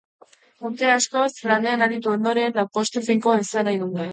Urte askoz lanean aritu ondoren, lanpostu finkoa izan nahi dute.